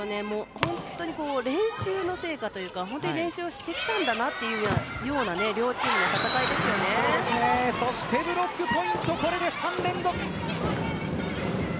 本当に練習の成果というか練習をしてきたんだなというようなそして、ブロックポイントこれで３連続。